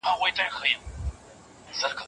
شریف غوښتل چې د خپل زوی لپاره نوې جامې واخلي.